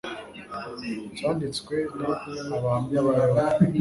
cyanditswe n abahamya ba yehova